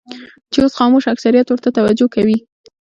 چې اوس خاموش اکثریت ورته توجه کوي.